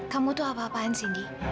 kamu tuh apa apaan cindy